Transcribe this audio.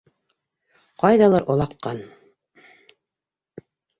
Ҡайҙалыр олаҡҡан!